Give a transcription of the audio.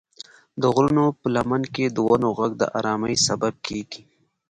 د غرونو په لمن کې د ونو غږ د ارامۍ سبب کېږي.